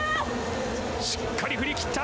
しっかり振り切った。